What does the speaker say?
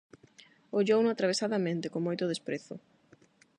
Ollouno atravesadamente, con moito desprezo.